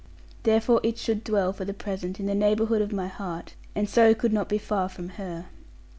Therefore it should dwell for the present in the neighbourhood of my heart; and so could not be far from her.